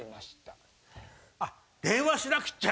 あっ電話しなくっちゃ。